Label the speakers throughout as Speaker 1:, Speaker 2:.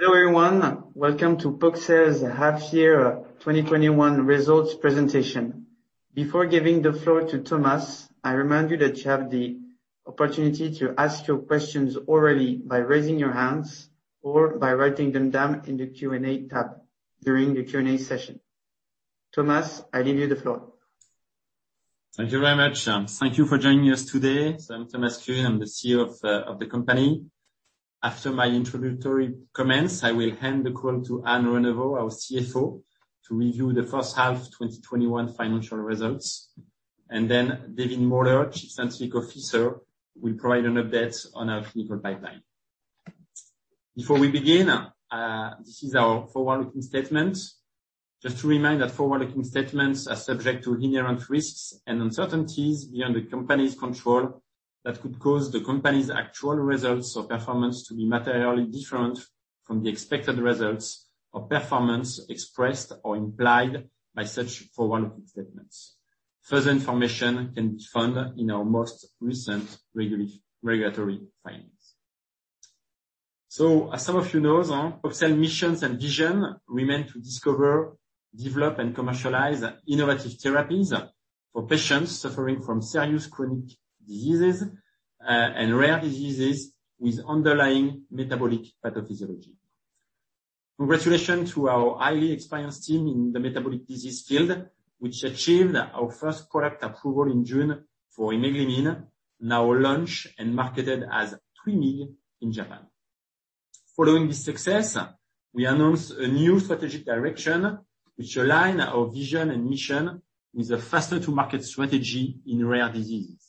Speaker 1: Hello, everyone. Welcome to Poxel's half year 2021 results presentation. Before giving the floor to Thomas, I remind you that you have the opportunity to ask your questions orally by raising your hands or by writing them down in the Q&A tab during the Q&A session. Thomas, I give you the floor.
Speaker 2: Thank you very much. Thank you for joining us today. I am Thomas Kuhn. I am the CEO of the company. After my introductory comments, I will hand the call to Anne Renevot, our CFO, to review the first half 2021 financial results, and then David Moller, Chief Scientific Officer, will provide an update on our clinical pipeline. Before we begin, this is our forward-looking statement. Just to remind that forward-looking statements are subject to inherent risks and uncertainties beyond the company's control that could cause the company's actual results or performance to be materially different from the expected results or performance expressed or implied by such forward-looking statements. Further information can be found in our most recent regulatory filings. As some of you know, Poxel's missions and vision remain to discover, develop, and commercialize innovative therapies for patients suffering from serious chronic diseases, and rare diseases with underlying metabolic pathophysiology. Congratulations to our highly experienced team in the metabolic disease field, which achieved our first product approval in June for imeglimin, now launched and marketed as TWYMEEG in Japan. Following this success, we announced a new strategic direction, which align our vision and mission with a faster to market strategy in rare diseases.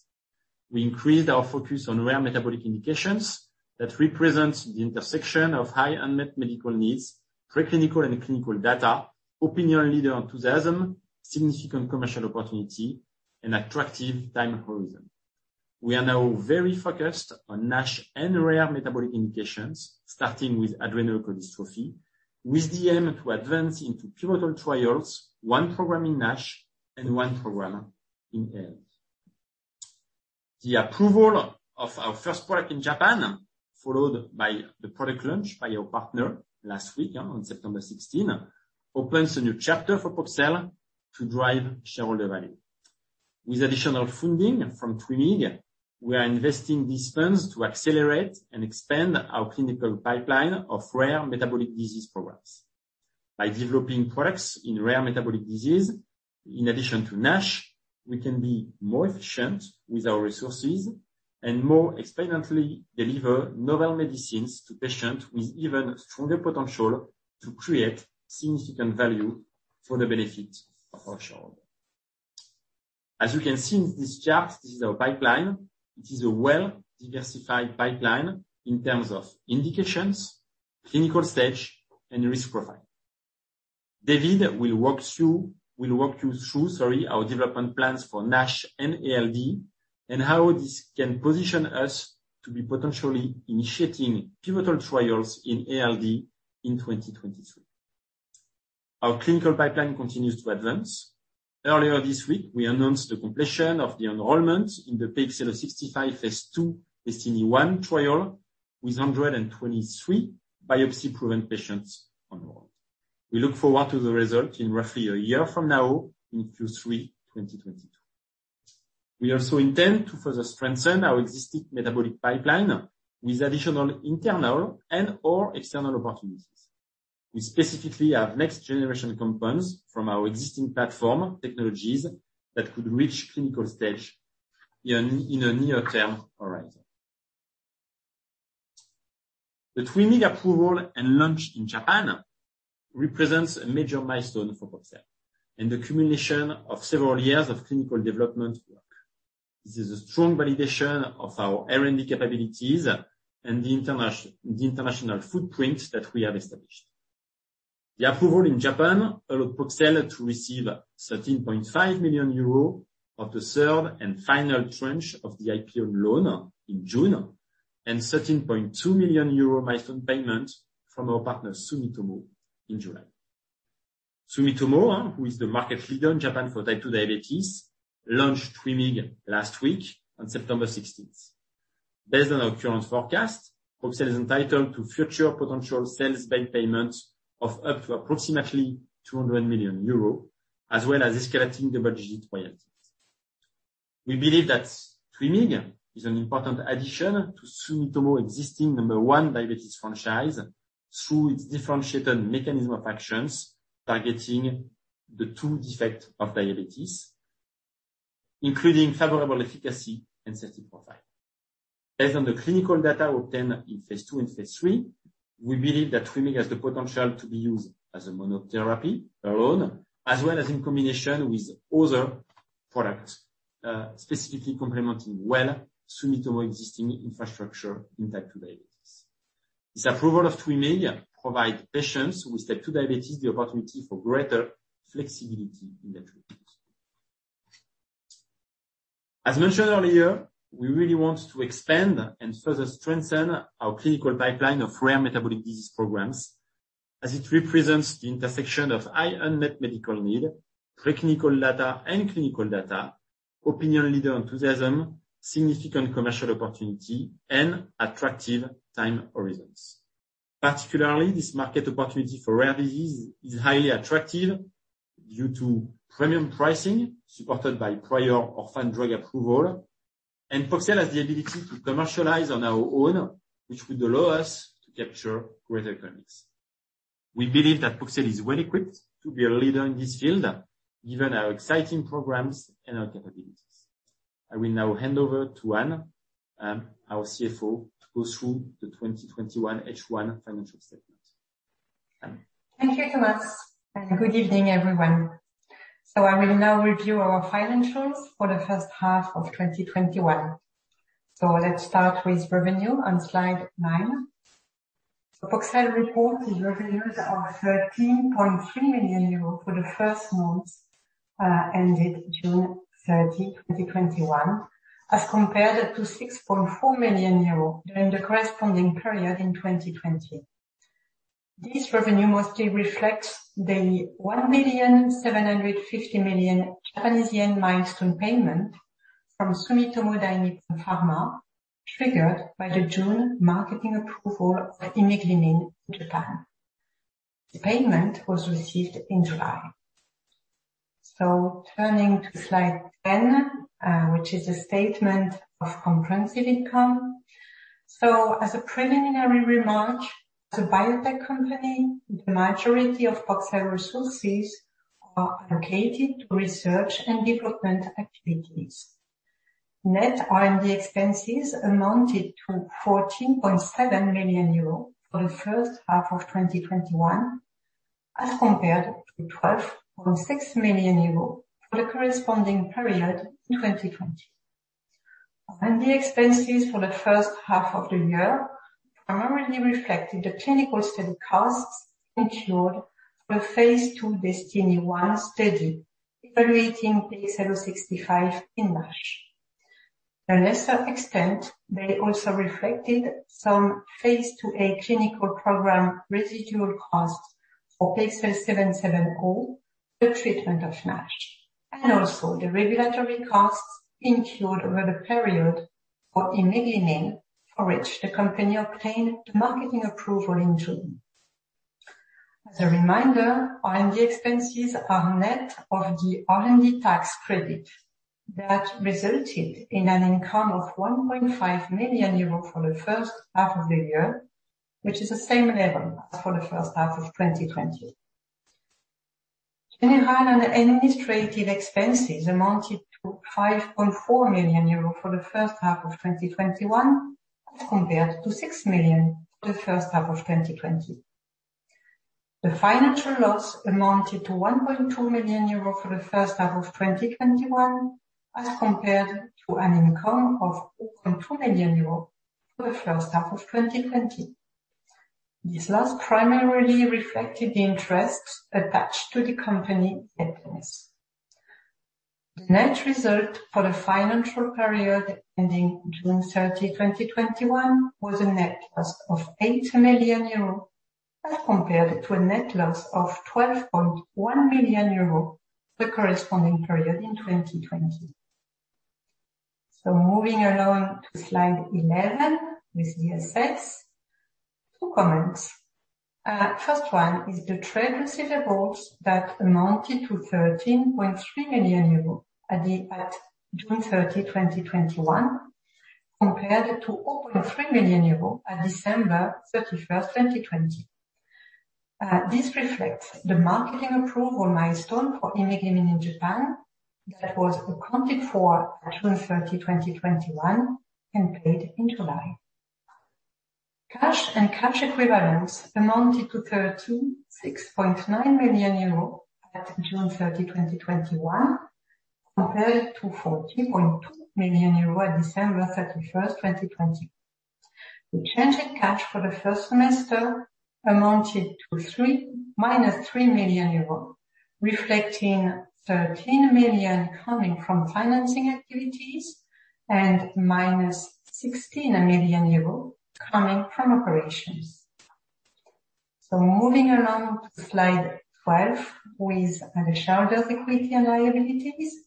Speaker 2: We increased our focus on rare metabolic indications that represent the intersection of high unmet medical needs, preclinical and clinical data, opinion leader enthusiasm, significant commercial opportunity, and attractive time horizon. We are now very focused on NASH and rare metabolic indications, starting with adrenoleukodystrophy, with the aim to advance into pivotal trials, one program in NASH and one program in ALD. The approval of our first product in Japan, followed by the product launch by our partner last week on September 16, opens a new chapter for Poxel to drive shareholder value. With additional funding from TWYMEEG, we are investing these funds to accelerate and expand our clinical pipeline of rare metabolic disease programs. By developing products in rare metabolic disease, in addition to NASH, we can be more efficient with our resources and more expediently deliver novel medicines to patients with even stronger potential to create significant value for the benefit of our shareholders. As you can see in this chart, this is our pipeline. It is a well-diversified pipeline in terms of indications, clinical stage, and risk profile. David will walk you through our development plans for NASH and ALD and how this can position us to be potentially initiating pivotal trials in ALD in 2023. Our clinical pipeline continues to advance. Earlier this week, we announced the completion of the enrollment in the PXL065 phase II DESTINY-1 trial with 123 biopsy-proven patients enrolled. We look forward to the result in roughly 1 year from now in Q3 2022. We also intend to further strengthen our existing metabolic pipeline with additional internal and/or external opportunities. We specifically have next generation compounds from our existing platform technologies that could reach clinical stage in a near-term horizon. The TWYMEEG approval and launch in Japan represents a major milestone for Poxel and the accumulation of several years of clinical development work. This is a strong validation of our R&D capabilities and the international footprint that we have established. The approval in Japan allowed Poxel to receive 13.5 million euro of the third and final tranche of the IPF loan in June, and 13.2 million euro milestone payment from our partner, Sumitomo, in July. Sumitomo, who is the market leader in Japan for type 2 diabetes, launched TWYMEEG last week on September 16th. Based on our current forecast, Poxel is entitled to future potential sales-based payments of up to approximately 200 million euro, as well as escalating double-digit royalties. We believe that TWYMEEG is an important addition to Sumitomo existing number one diabetes franchise through its differentiated mechanism of actions targeting the two defects of diabetes, including favorable efficacy and safety profile. Based on the clinical data obtained in phase II and phase III, we believe that TWYMEEG has the potential to be used as a monotherapy alone, as well as in combination with other products, specifically complementing well Sumitomo existing infrastructure in type 2 diabetes. This approval of TWYMEEG provides patients with type 2 diabetes the opportunity for greater flexibility in their treatments. As mentioned earlier, we really want to expand and further strengthen our clinical pipeline of rare metabolic disease programs as it represents the intersection of high unmet medical need, preclinical data and clinical data, opinion leader enthusiasm, significant commercial opportunity, and attractive time horizons. Particularly, this market opportunity for rare disease is highly attractive due to premium pricing supported by prior orphan drug approval, and Poxel has the ability to commercialize on our own, which would allow us to capture greater economics. We believe that Poxel is well-equipped to be a leader in this field given our exciting programs and our capabilities. I will now hand over to Anne, our CFO, to go through the 2021 H1 financial statement. Anne.
Speaker 3: Thank you, Thomas. Good evening, everyone. I will now review our financials for the first half of 2021. Let's start with revenue on slide nine. Poxel reported revenues of EUR 13.3 million for the first months ended June 30, 2021, as compared to 6.4 million euros during the corresponding period in 2020. This revenue mostly reflects the JYP 1,750,000,000 milestone payment from Sumitomo Dainippon Pharma, triggered by the June marketing approval of imeglimin in Japan. The payment was received in July. Turning to slide 10, which is a statement of comprehensive income. As a preliminary remark, as a biotech company, the majority of Poxel resources are allocated to research and development activities. Net R&D expenses amounted to 14.7 million euros for the first half of 2021, as compared to 12.6 million euros for the corresponding period in 2020. R&D expenses for the first half of the year primarily reflected the clinical study costs incurred for phase II DESTINY-1 study evaluating PXL065 in NASH. To a lesser extent, they also reflected some phase IIa clinical program residual costs for PXL770, the treatment of NASH, and also the regulatory costs incurred over the period for imeglimin, for which the company obtained marketing approval in June. As a reminder, R&D expenses are net of the R&D tax credit that resulted in an income of 1.5 million euros for the first half of the year, which is the same level as for the first half of 2020. General and administrative expenses amounted to 5.4 million euro for the first half of 2021, as compared to 6 million for the first half of 2020. The financial loss amounted to 1.2 million euro for the first half of 2021, as compared to an income of 2 million euros for the first half of 2020. This loss primarily reflected the interest attached to the company debt issuance. The net result for the financial period ending June 30, 2021, was a net loss of 8 million euros, as compared to a net loss of 12.1 million euros the corresponding period in 2020. Moving along to slide 11 with the assets. Two comments. First one is the trade receivables that amounted to 13.3 million euros at June 30, 2021, compared to 0.3 million euros at December 31st, 2020. This reflects the marketing approval milestone for imeglimin in Japan that was accounted for at June 30, 2021, and paid in July. Cash and cash equivalents amounted to 36.9 million euro at June 30, 2021, compared to 40.2 million euro at December 31st, 2020. The change in cash for the first semester amounted to -3 million euros, reflecting 13 million coming from financing activities and -16 million euros coming from operations. Moving along to slide 12 with the shareholders' equity and liabilities.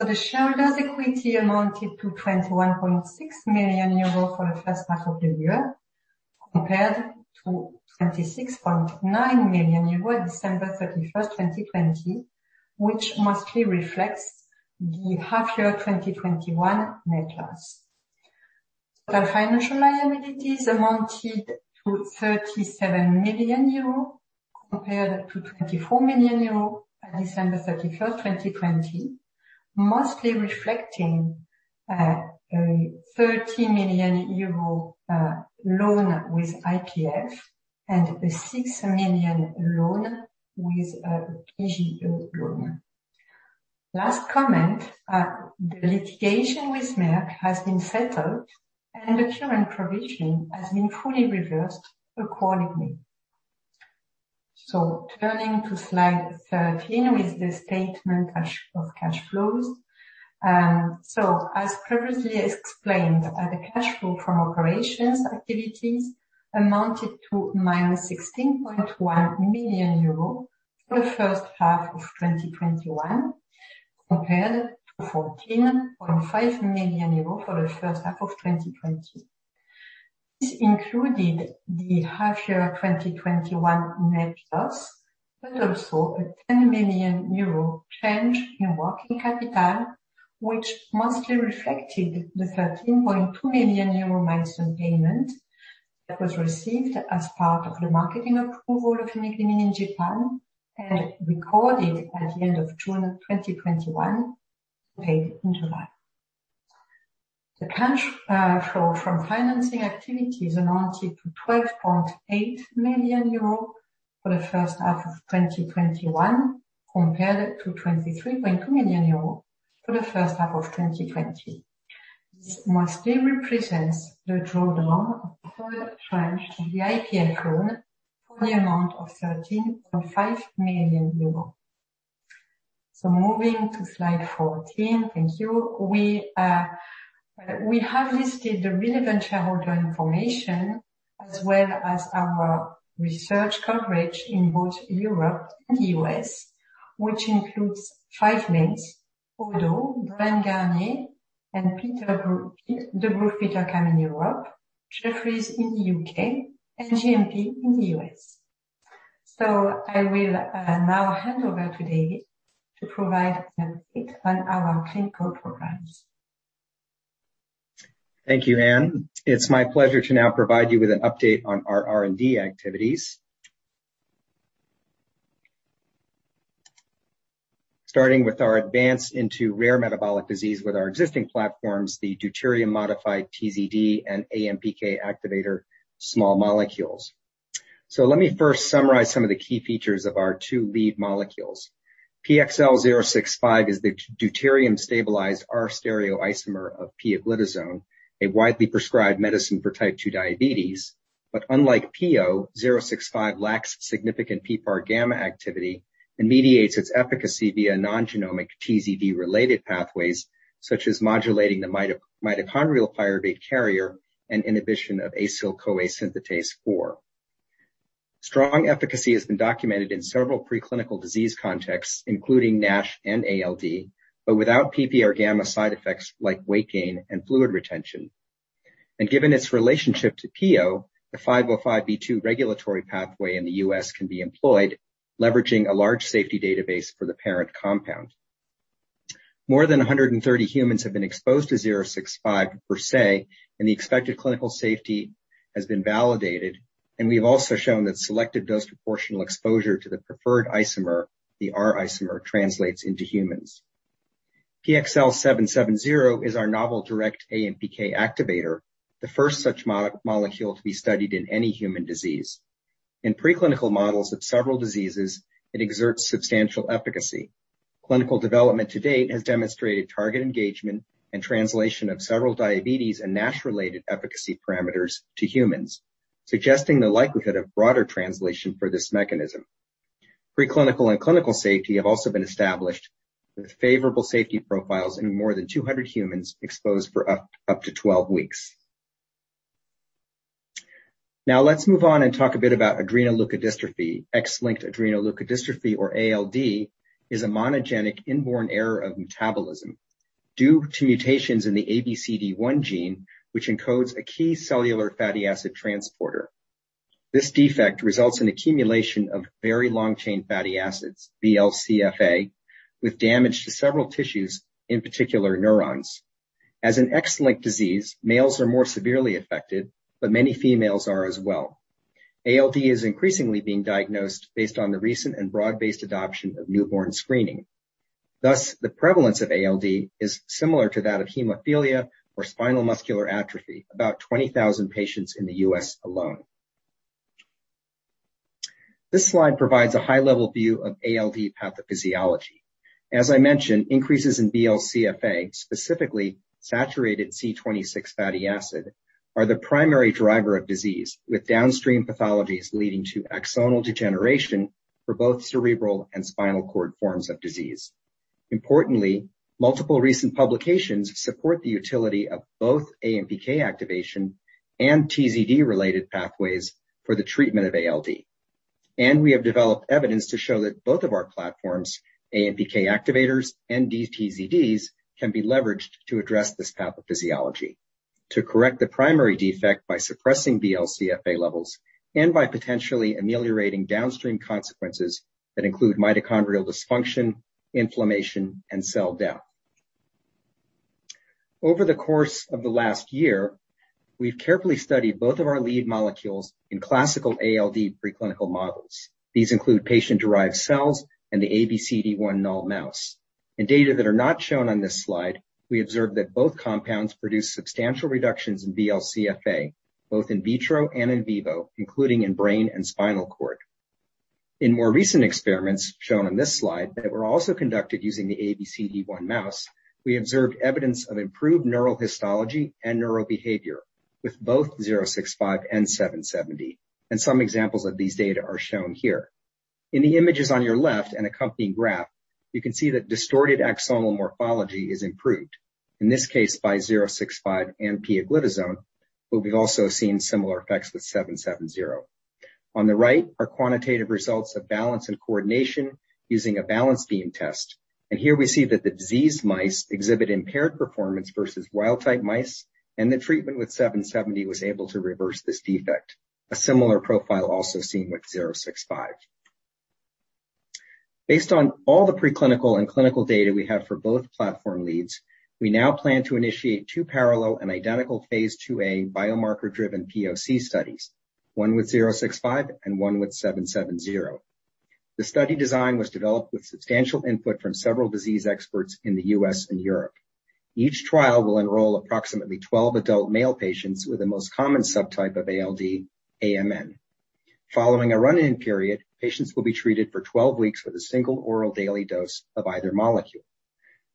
Speaker 3: The shareholders' equity amounted to 21.6 million euros for the first half of the year, compared to 26.9 million euros at December 31st, 2020, which mostly reflects the half year 2021 net loss. Total financial liabilities amounted to 37 million euro compared to 24 million euro at December 31st, 2020, mostly reflecting a 30 million euro loan with IPF and a 6 million loan with PGE loan. Last comment, the litigation with Merck has been settled, and the current provision has been fully reversed accordingly. Turning to slide 13 with the statement of cash flows. As previously explained, the cash flow from operations activities amounted to minus 16.1 million euro for the first half of 2021 compared to 14.5 million euro for the first half of 2020. This included the half year 2021 net loss, but also a 10 million euro change in working capital, which mostly reflected the 13.2 million euro milestone payment that was received as part of the marketing approval of TWYMEEG in Japan and recorded at the end of June 2021, paid in July. The cash flow from financing activities amounted to 12.8 million euros for the first half of 2021, compared to 23.2 million euros for the first half of 2020. This mostly represents the drawdown of third tranche of the IPF loan for the amount of 13.5 million euros. Moving to slide 14. Thank you. We have listed the relevant shareholder information as well as our research coverage in both Europe and the U.S., which includes five names, Oddo, Bryan Garnier & Co., and Degroof Petercam in Europe, Jefferies in the U.K., and JMP in the U.S. I will now hand over to David Moller to provide an update on our clinical programs.
Speaker 4: Thank you, Anne. It's my pleasure to now provide you with an update on our R&D activities. Starting with our advance into rare metabolic disease with our existing platforms, the deuterium-modified TZD and AMPK activator small molecules. Let me first summarize some of the key features of our two lead molecules. PXL065 is the deuterium-stabilized R-stereoisomer of pioglitazone, a widely prescribed medicine for type 2 diabetes. Unlike pio, 065 lacks significant PPAR gamma activity and mediates its efficacy via non-genomic TZD-related pathways, such as modulating the mitochondrial pyruvate carrier, and inhibition of acyl-CoA synthetase 4. Strong efficacy has been documented in several preclinical disease contexts, including NASH and ALD, but without PPAR gamma side effects like weight gain and fluid retention. Given its relationship to pio, the 505(b)(2) regulatory pathway in the U.S. can be employed, leveraging a large safety database for the parent compound. More than 130 humans have been exposed to PXL065 per se, and the expected clinical safety has been validated, and we've also shown that selective dose proportional exposure to the preferred isomer, the R stereoisomer, translates into humans. PXL770 is our novel direct AMPK activator, the first such molecule to be studied in any human disease. In preclinical models of several diseases, it exerts substantial efficacy. Clinical development to date has demonstrated target engagement and translation of several diabetes and NASH-related efficacy parameters to humans, suggesting the likelihood of broader translation for this mechanism. Preclinical and clinical safety have also been established with favorable safety profiles in more than 200 humans exposed for up to 12 weeks. Let's move on and talk a bit about adrenoleukodystrophy. X-linked adrenoleukodystrophy, or ALD, is a monogenic inborn error of metabolism due to mutations in the ABCD1 gene, which encodes a key cellular fatty acid transporter. This defect results in accumulation of very long chain fatty acids, VLCFA, with damage to several tissues, in particular neurons. As an X-linked disease, males are more severely affected, but many females are as well. ALD is increasingly being diagnosed based on the recent and broad-based adoption of newborn screening. The prevalence of ALD is similar to that of hemophilia or spinal muscular atrophy. About 20,000 patients in the U.S. alone. This slide provides a high-level view of ALD pathophysiology. As I mentioned, increases in VLCFA, specifically saturated C26 fatty acid, are the primary driver of disease, with downstream pathologies leading to axonal degeneration for both cerebral and spinal cord forms of disease. Importantly, multiple recent publications support the utility of both AMPK activation and TZD-related pathways for the treatment of ALD. We have developed evidence to show that both of our platforms, AMPK activators and dTZDs, can be leveraged to address this pathophysiology to correct the primary defect by suppressing VLCFA levels and by potentially ameliorating downstream consequences that include mitochondrial dysfunction, inflammation, and cell death. Over the course of the last year, we've carefully studied both of our lead molecules in classical ALD preclinical models. These include patient-derived cells and the ABCD1 null mouse. In data that are not shown on this slide, we observed that both compounds produce substantial reductions in VLCFA, both in vitro and in vivo, including in brain and spinal cord. In more recent experiments shown on this slide that were also conducted using the ABCD1 mouse, we observed evidence of improved neural histology and neural behavior with both 065 and 770. Some examples of these data are shown here. In the images on your left and accompanying graph, you can see that distorted axonal morphology is improved, in this case by 065 and pioglitazone, but we've also seen similar effects with 770. On the right are quantitative results of balance and coordination using a balance beam test, and here we see that the diseased mice exhibit impaired performance versus wild-type mice, and the treatment with 770 was able to reverse this defect. A similar profile also seen with 065. Based on all the preclinical and clinical data we have for both platform leads, we now plan to initiate two parallel and identical phase IIa biomarker-driven POC studies, one with 065 and one with 770. The study design was developed with substantial input from several disease experts in the U.S. and Europe. Each trial will enroll approximately 12 adult male patients with the most common subtype of ALD, AMN. Following a run-in period, patients will be treated for 12 weeks with a single oral daily dose of either molecule.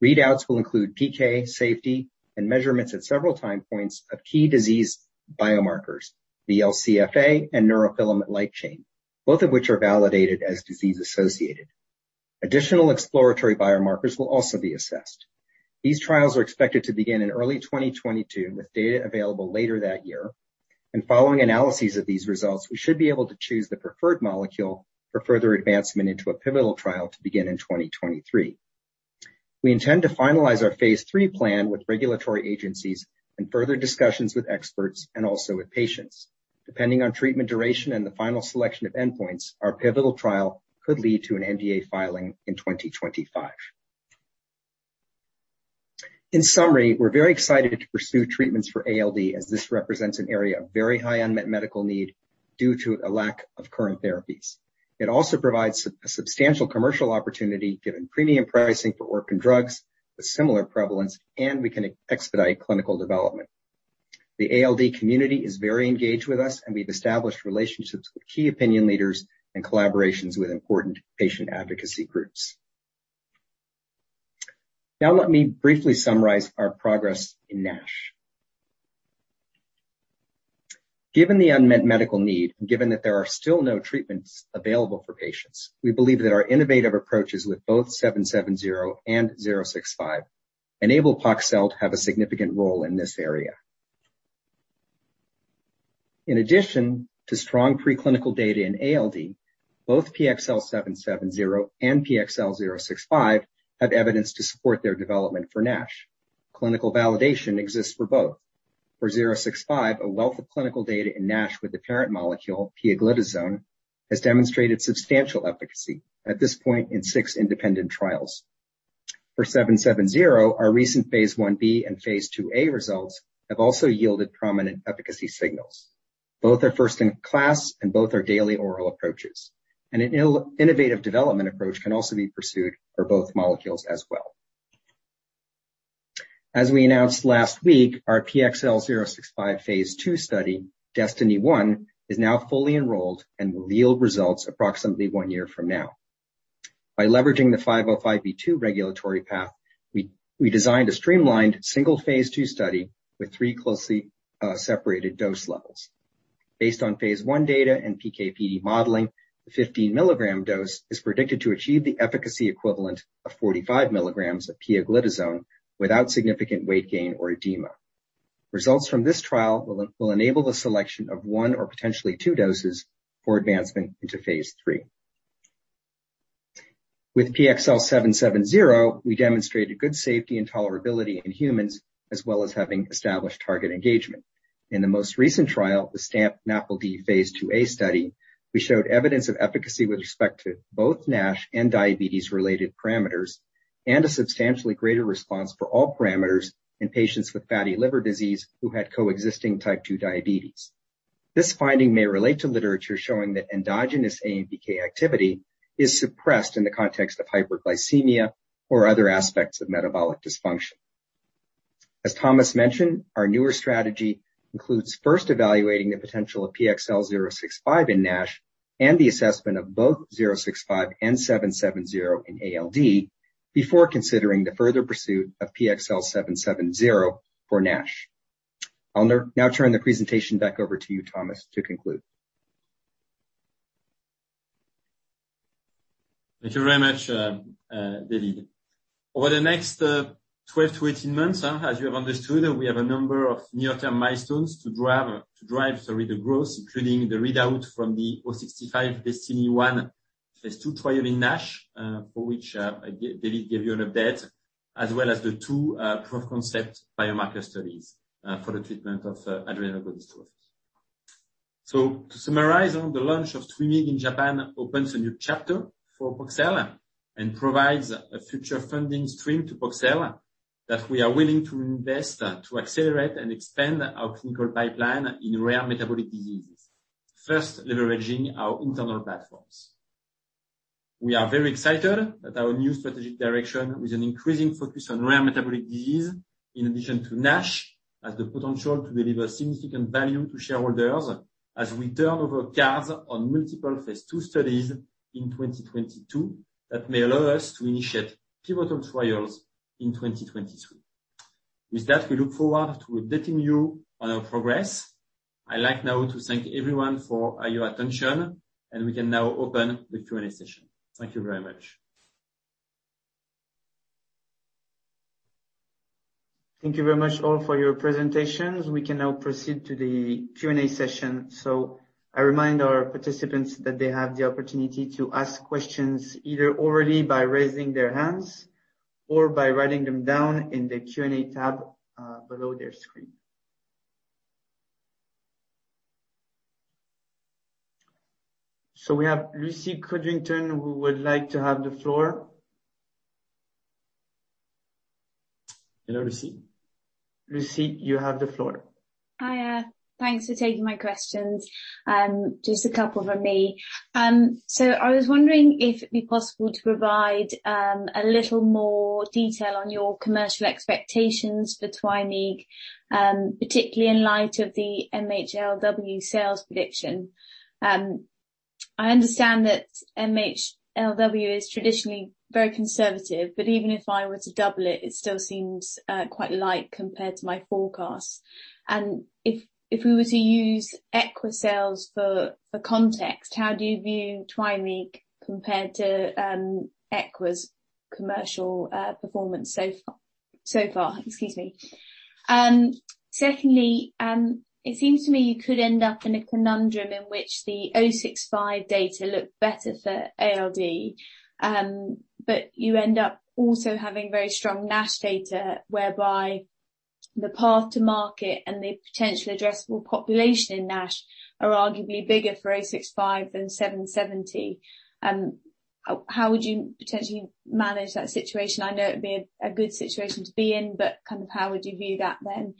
Speaker 4: Readouts will include PK safety and measurements at several time points of key disease biomarkers, VLCFA and neurofilament light chain, both of which are validated as disease-associated. Additional exploratory biomarkers will also be assessed. These trials are expected to begin in early 2022, with data available later that year. Following analyses of these results, we should be able to choose the preferred molecule for further advancement into a pivotal trial to begin in 2023. We intend to finalize our phase III plan with regulatory agencies and further discussions with experts and also with patients. Depending on treatment duration and the final selection of endpoints, our pivotal trial could lead to an NDA filing in 2025. In summary, we're very excited to pursue treatments for ALD as this represents an area of very high unmet medical need due to a lack of current therapies. It also provides a substantial commercial opportunity given premium pricing for orphan drugs with similar prevalence, and we can expedite clinical development. The ALD community is very engaged with us, and we've established relationships with key opinion leaders and collaborations with important patient advocacy groups. Now let me briefly summarize our progress in NASH. Given the unmet medical need, and given that there are still no treatments available for patients, we believe that our innovative approaches with both PXL770 and PXL065 enable Poxel to have a significant role in this area. In addition to strong preclinical data in ALD, both PXL770 and PXL065 have evidence to support their development for NASH. Clinical validation exists for both. For PXL065, a wealth of clinical data in NASH with the parent molecule, pioglitazone, has demonstrated substantial efficacy, at this point in 6 independent trials. For PXL770, our recent phase I-B and phase IIa results have also yielded prominent efficacy signals. Both are first in class and both are daily oral approaches. An innovative development approach can also be pursued for both molecules as well. As we announced last week, our PXL065 phase II study, DESTINY-1, is now fully enrolled and will yield results approximately one year from now. By leveraging the 505(b)(2) regulatory path, we designed a streamlined single phase II study with three closely separated dose levels. Based on phase I data and PK/PD modeling, the 15 mg dose is predicted to achieve the efficacy equivalent of 45 mg of pioglitazone without significant weight gain or edema. Results from this trial will enable the selection of one or potentially two doses for advancement into phase III. With PXL770, we demonstrated good safety and tolerability in humans, as well as having established target engagement. In the most recent trial, the STAMP-NAFLD Phase IIa study, we showed evidence of efficacy with respect to both NASH and diabetes-related parameters, and a substantially greater response for all parameters in patients with fatty liver disease who had coexisting type 2 diabetes. This finding may relate to literature showing that endogenous AMPK activity is suppressed in the context of hyperglycemia or other aspects of metabolic dysfunction. As Thomas mentioned, our newer strategy includes first evaluating the potential of PXL065 in NASH and the assessment of both 065 and 770 in ALD before considering the further pursuit of PXL770 for NASH. I'll now turn the presentation back over to you, Thomas, to conclude.
Speaker 2: Thank you very much, David. Over the next 12 to 18 months, as you have understood, we have a number of near-term milestones to drive, sorry, the growth, including the readout from the PXL065 DESTINY-1 phase II trial in NASH, for which David gave you an update, as well as the two proof-of-concept biomarker studies for the treatment of adrenoleukodystrophy. To summarize on the launch of TWYMEEG in Japan opens a new chapter for Poxel and provides a future funding stream to Poxel that we are willing to invest to accelerate and expand our clinical pipeline in rare metabolic diseases, first leveraging our internal platforms. We are very excited that our new strategic direction with an increasing focus on rare metabolic disease, in addition to NASH, has the potential to deliver significant value to shareholders. As we turn over cards on multiple phase II studies in 2022, that may allow us to initiate pivotal trials in 2023. With that, we look forward to updating you on our progress. I'd like now to thank everyone for your attention, and we can now open the Q&A session. Thank you very much.
Speaker 1: Thank you very much all for your presentations. We can now proceed to the Q&A session. I remind our participants that they have the opportunity to ask questions either orally by raising their hands or by writing them down in the Q&A tab below their screen. We have Lucy Codrington, who would like to have the floor. Hello, Lucy. Lucy, you have the floor.
Speaker 5: Hiya. Thanks for taking my questions. Just a couple from me. I was wondering if it'd be possible to provide a little more detail on your commercial expectations for TWYMEEG, particularly in light of the MHLW sales prediction. I understand that MHLW is traditionally very conservative, even if I were to double it still seems quite light compared to my forecast. If we were to use Equa sales for context, how do you view TWYMEEG compared to Equa's commercial performance so far? Excuse me. Secondly, it seems to me you could end up in a conundrum in which the PXL065 data looked better for ALD, you end up also having very strong NASH data, whereby the path to market and the potential addressable population in NASH are arguably bigger for PXL065 than PXL770. How would you potentially manage that situation? I know it'd be a good situation to be in, kind of how would you view that then?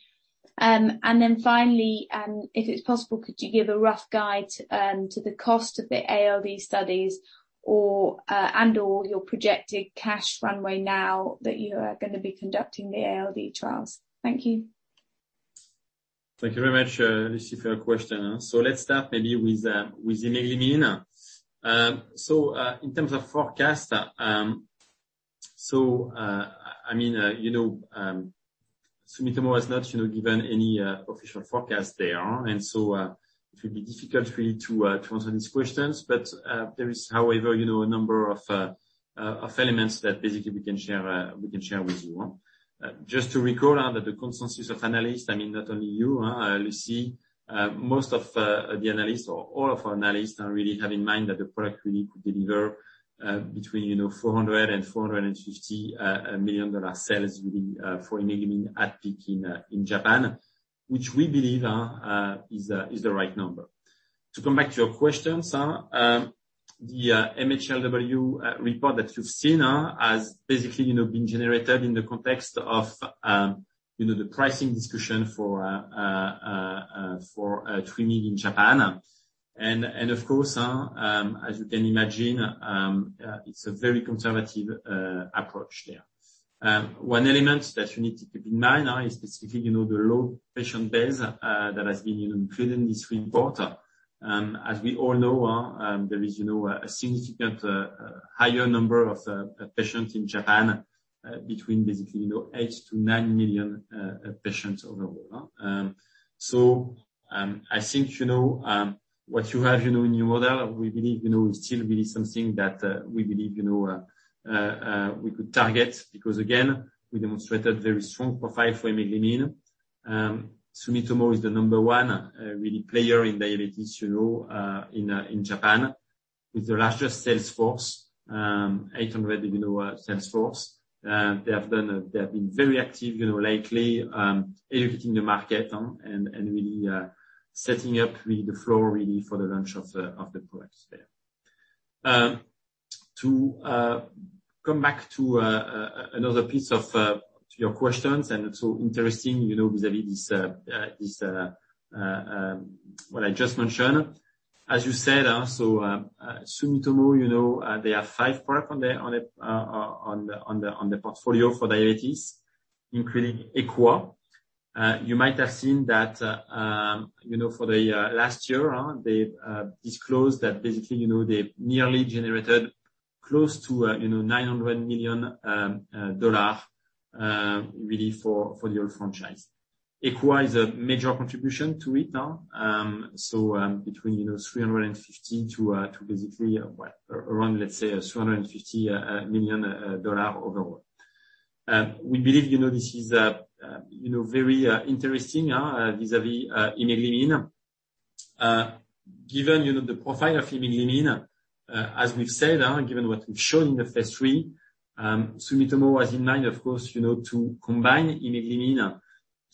Speaker 5: Then finally, if it's possible, could you give a rough guide to the cost of the ALD studies or, and or your projected cash runway now that you are going to be conducting the ALD trials? Thank you.
Speaker 2: Thank you very much, Lucy, for your question. Let's start maybe with imeglimin. In terms of forecast, Sumitomo has not given any official forecast there. It will be difficult for me to answer these questions. There is, however, a number of elements that basically we can share with you on. Just to recall that the consensus of analysts, not only you, Lucy, most of the analysts or all of our analysts really have in mind that the product really could deliver between $400 million-$450 million sales really for imeglimin at peak in Japan, which we believe is the right number. To come back to your questions, the MHLW report that you've seen has basically been generated in the context of the pricing discussion for TWYMEEG in Japan. Of course, as you can imagine, it's a very conservative approach there. One element that you need to keep in mind is specifically, the low patient base that has been included in this report. As we all know, there is a significant higher number of patients in Japan between basically 8 million-9 million patients overall. I think what you have in your model, we believe is still really something that we believe we could target because again, we demonstrated very strong profile for imeglimin. Sumitomo is the number one really player in diabetes in Japan with the largest sales force, 800 sales force. They have been very active lately, educating the market and really setting up the floor really for the launch of the products there. To come back to another piece of your questions. As you said, Sumitomo, they have five products on the portfolio for diabetes, including Equa. You might have seen that for the last year on, they've disclosed that basically, they've nearly generated close to $900 million really for the whole franchise. Equa is a major contribution to it now. Between $350 million to basically, well, around let's say $350 million overall. We believe this is very interesting vis-a-vis imeglimin. Given the profile of imeglimin, as we've said, given what we've shown in the phase III, Sumitomo has in mind, of course, to combine imeglimin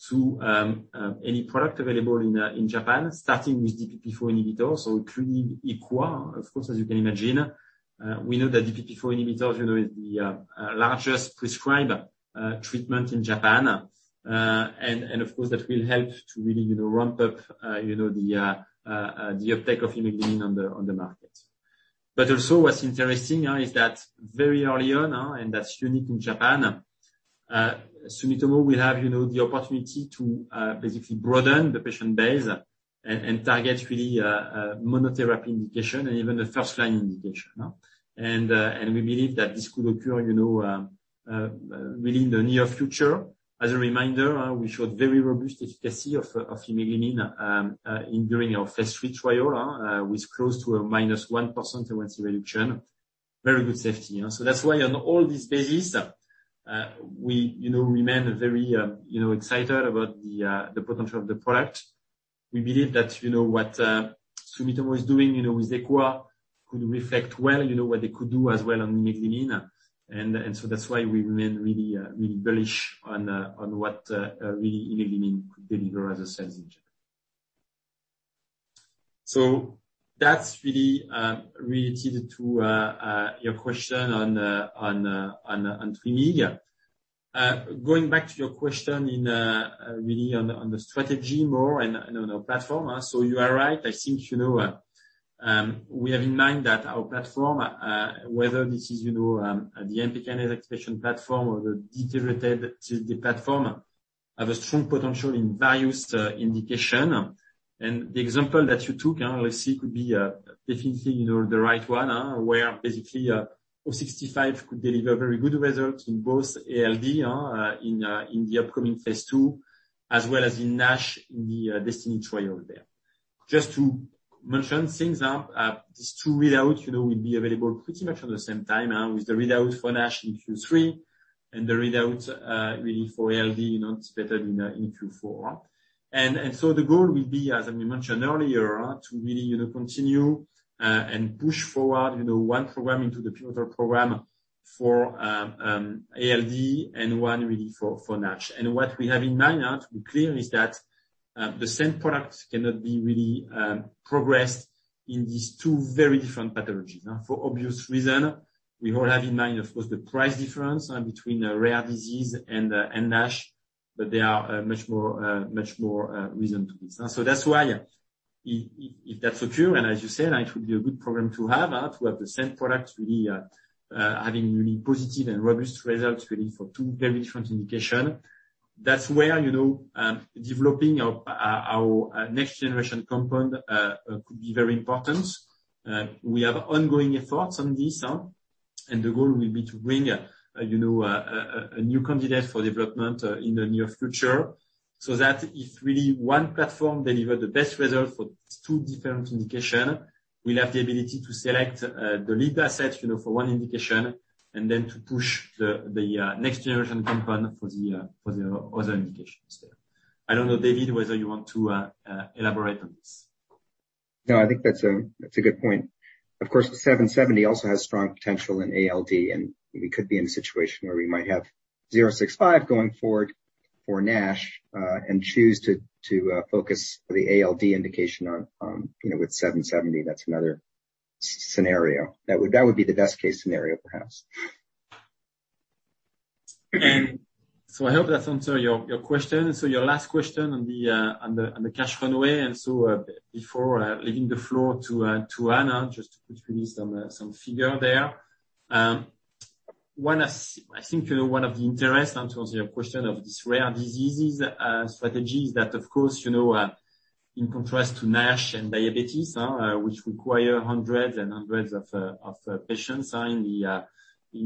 Speaker 2: to any product available in Japan, starting with DPP-4 inhibitor, so including Equa, of course, as you can imagine. We know that DPP-4 inhibitor is the largest prescribed treatment in Japan. Of course, that will help to really ramp up the uptake of imeglimin on the market. Also what's interesting is that very early on, and that's unique in Japan, Sumitomo will have the opportunity to basically broaden the patient base and target really a monotherapy indication and even a first-line indication. We believe that this could occur within the near future. As a reminder, we showed very robust efficacy of imeglimin during our phase III trial, with close to a minus 1% reduction. Very good safety. That's why on all these bases, we remain very excited about the potential of the product. We believe that what Sumitomo is doing with Equa could reflect well, what they could do as well on imeglimin. That's why we remain really bullish on what really imeglimin could deliver as a sales engine. That's really related to your question on TWYMEEG. Going back to your question really on the strategy more and our platform. You are right. I think, we have in mind that our platform, whether this is the AMPK activation platform or the deuterated TZD platform, have a strong potential in various indication. The example that you took, Lucy, could be definitely the right one, where basically PXL065 could deliver very good results in both ALD in the upcoming phase II, as well as in NASH in the DESTINY-1 trial there. Just to mention things, these two readouts will be available pretty much at the same time, with the readout for NASH in Q3, and the readout really for ALD, it's better in Q4. The goal will be, as we mentioned earlier, to really continue and push forward one program into the pivotal program for ALD and one really for NASH. What we have in mind to be clear is that the same product cannot be really progressed in these two very different pathologies. For obvious reason, we all have in mind, of course, the price difference between a rare disease and NASH, but there are much more reason to this. That's why if that's true, and as you said, it would be a good program to have, to have the same product really having really positive and robust results really for two very different indication. That's where developing our next generation compound could be very important. We have ongoing efforts on this. The goal will be to bring a new candidate for development in the near future, so that if really one platform deliver the best result for these two different indication, we'll have the ability to select the lead asset for one indication and then to push the next generation compound for the other indications there. I don't know, David, whether you want to elaborate on this.
Speaker 4: No, I think that's a good point. Of course, the PXL770 also has strong potential in ALD, and we could be in a situation where we might have PXL065 going forward for NASH and choose to focus the ALD indication on with PXL770. That's another scenario. That would be the best case scenario, perhaps.
Speaker 2: I hope that answer your question. Your last question on the cash runway. Before leaving the floor to Anne, just to put really some figure there. I think one of the interests towards your question of this rare diseases strategy is that, of course, in contrast to NASH and diabetes, which require hundreds and hundreds of patients in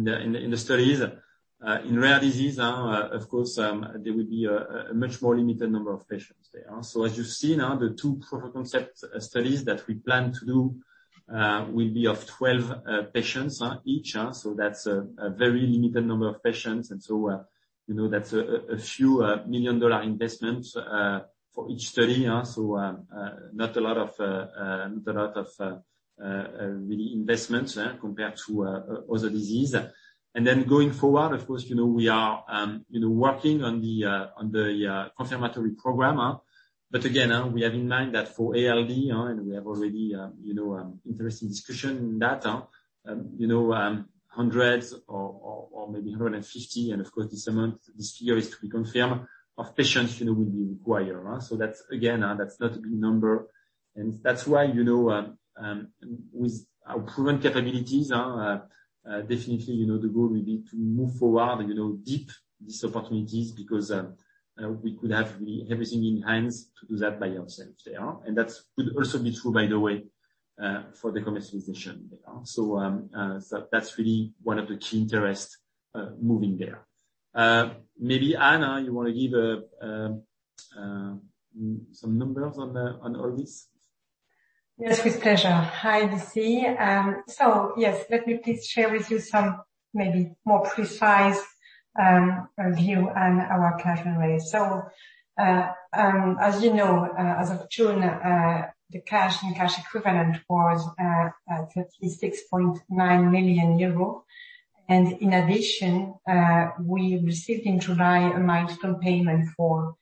Speaker 2: the studies. In rare disease, of course, there will be a much more limited number of patients there. As you see now, the two proof of concept studies that we plan to do will be of 12 patients each. That's a very limited number of patients, that's a few million investment for each study. Not a lot of investment compared to other disease. Going forward, of course, we are working on the confirmatory program. Again, we have in mind that for ALD, and we have already interesting discussion in that, hundreds or maybe 150, and of course, this amount, this figure is to be confirmed, of patients will be required. That's, again, that's not a big number. That's why, with our proven capabilities, definitely, the goal will be to move forward and deep these opportunities, because we could have really everything in hands to do that by ourselves there. That could also be true, by the way, for the commercialization there. That's really one of the key interests moving there. Maybe Anne, you want to give some numbers on all this?
Speaker 3: Yes, with pleasure. Hi, Lucy. Yes, let me please share with you some maybe more precise view on our cash runway. As you know, as of June, the cash and cash equivalent was at 36.9 million euros. In addition, we received in July a milestone payment for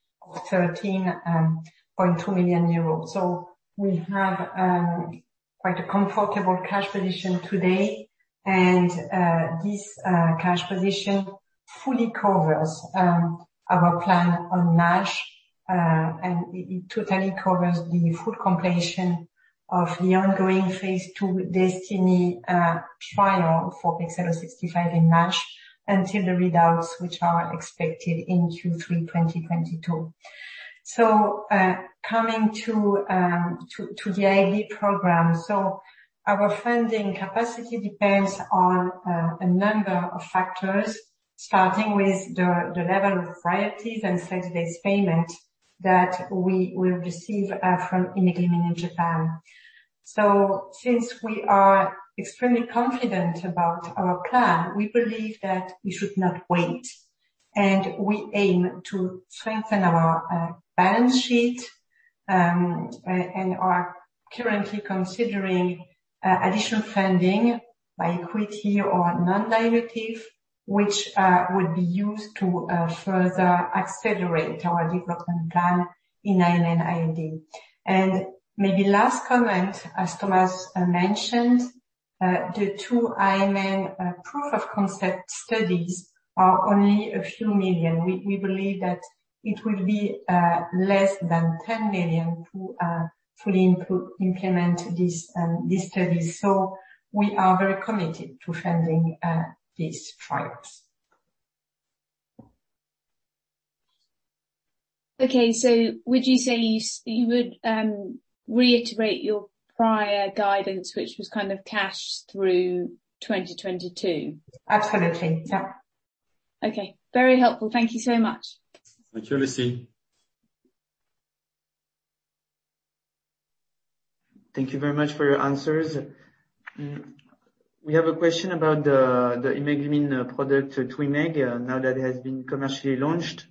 Speaker 3: 13.2 million euros. We have quite a comfortable cash position today. This cash position fully covers our plan on NASH. It totally covers the full completion of the ongoing phase II DESTINY-1 trial for PXL065 in NASH until the readouts, which are expected in Q3 2022. Coming to the IPF program. Our funding capacity depends on a number of factors, starting with the level of royalties and sales-based payment that we will receive from imeglimin in Japan. Since we are extremely confident about our plan, we believe that we should not wait, and we aim to strengthen our balance sheet, and are currently considering additional funding by equity or non-dilutive, which will be used to further accelerate our development plan in ALD. Maybe last comment, as Thomas mentioned, the two ILN proof of concept studies are only EUR few million. We believe that it will be less than 10 million to fully implement these studies. We are very committed to funding these trials.
Speaker 5: Okay. Would you say you would reiterate your prior guidance, which was kind of cash through 2022?
Speaker 3: Absolutely. Yeah.
Speaker 5: Okay. Very helpful. Thank you so much.
Speaker 2: Thank you, Lucie.
Speaker 1: Thank you very much for your answers. We have a question about the imeglimin product, TWYMEEG, now that it has been commercially launched.